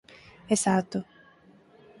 Exacto.